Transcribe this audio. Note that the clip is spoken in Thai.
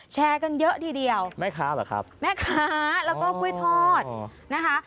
แชร์กันเยอะทีเดียวแม่ค้าเหรอครับแม่ค้าแล้วก็กล้วยทอดนะคะ